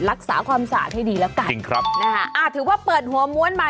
รักษาความสารให้ดีละกันนะคะอาจถือว่าเปิดหัวม้วนมา